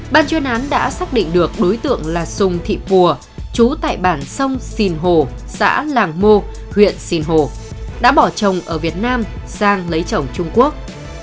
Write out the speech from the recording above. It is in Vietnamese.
ban chuyên án đã xác định được đối tượng là sùng thị pùa chú tại bản sông sìn hồ xã làng mô huyện sinh hồ đã bỏ trồng ở việt nam sang lấy chồng trung quốc